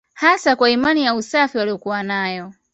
Hasa kwa imani ya usafi waliyokuwa nayo